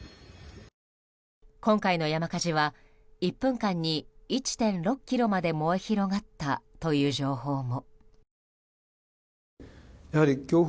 今回の山火事は１分間に１．６ｋｍまで燃え広がったという情報も。